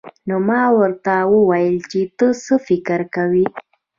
نو ما ورته وويل چې ته څه فکر کوې.